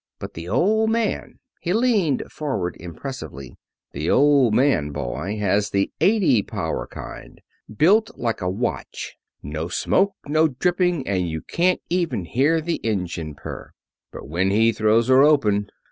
But the Old Man," he leaned forward impressively, "the Old Man, boy, has the eighty power kind, built like a watch no smoke, no dripping, and you can't even hear the engine purr. But when he throws her open!